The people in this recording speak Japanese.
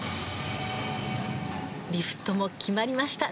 リフトも決まりました。